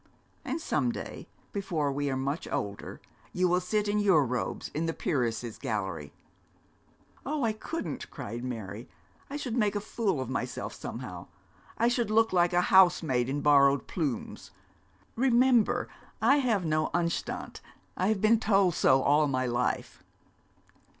'And some day, before we are much older, you will sit in your robes in the peeress's gallery.' 'Oh, I couldn't,' cried Mary. 'I should make a fool of myself, somehow. I should look like a housemaid in borrowed plumes. Remember, I have no Anstand I have been told so all my life.'